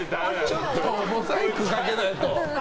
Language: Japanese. ちょっとモザイクかけないと。